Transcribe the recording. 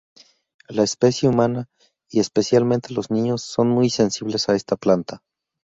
La especie humana y especialmente los niños, son muy sensibles a esta planta.